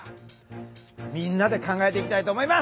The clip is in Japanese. みんなで考えていきたいと思います。